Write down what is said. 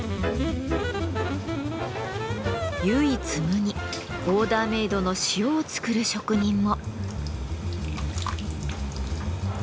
唯一無二オーダーメイドの塩を作る職人も。